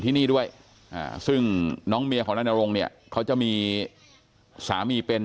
ที่นี่ด้วยซึ่งน้องเมียของนายนรงเนี่ยเขาจะมีสามีเป็น